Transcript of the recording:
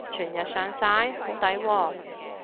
全日上晒？好抵喎